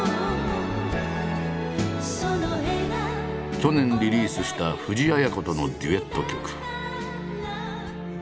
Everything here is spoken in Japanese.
去年リリースした藤あや子とのデュエット曲。